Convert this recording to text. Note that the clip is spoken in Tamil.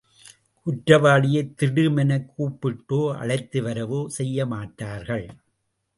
குற்றவாளியைத் திடுமெனக் கூப்பிட்டோ, அழைத்து வரவோ செய்யமாட்டார்கள்.